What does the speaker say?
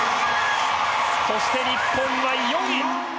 そして日本は４位！